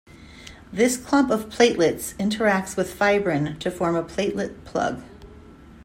This clump of platelets interacts with fibrin to form a platelet plug.